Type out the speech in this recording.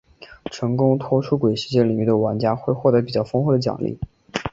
成功脱出鬼时间领域的玩家会获得比较丰厚的奖励。